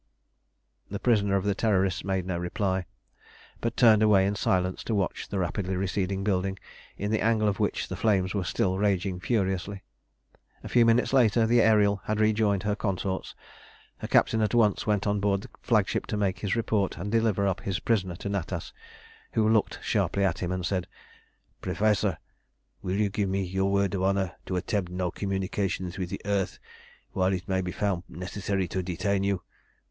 The prisoner of the Terrorists made no reply, but turned away in silence to watch the rapidly receding building, in the angle of which the flames were still raging furiously. A few minutes later the Ariel had rejoined her consorts. Her captain at once went on board the flagship to make his report and deliver up his prisoner to Natas, who looked sharply at him and said "Professor, will you give me your word of honour to attempt no communication with the earth while it may be found necessary to detain you?